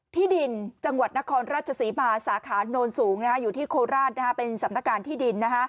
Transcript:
ที่ดินจังหวัดนครราชศรีมาสาขาโนนสูงอยู่ที่โคราชเป็นสำนักงานที่ดิน